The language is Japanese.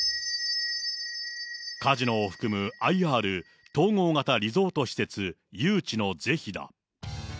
カジノを含むＩＲ・統合型リゾート施設誘致の是非だ。